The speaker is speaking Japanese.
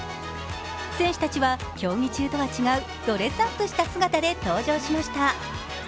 選手たちは競技中とは違うドレスアップした姿で登場しました。